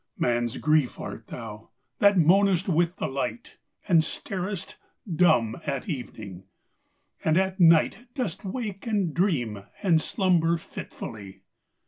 Man's Grief art thou, that moanest with the light, And starest dumb at evening — and at night Dost wake and dream and slumber fitfully